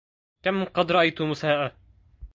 كم قد رأيت مساءة